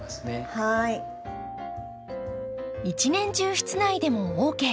一年中室内でもＯＫ。